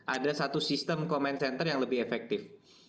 ada satu sistem command center yang lebih efektif